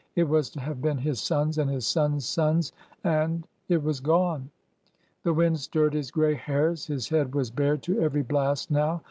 It was to have been his son's and his son's son's, and— it was gone ! The wind stirred his gray hairs. His head was bared to every blast now.